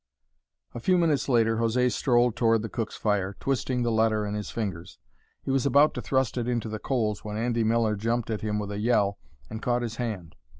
A few minutes later José strolled toward the cook's fire, twisting the letter in his fingers. He was about to thrust it into the coals when Andy Miller jumped at him with a yell, and caught his hand.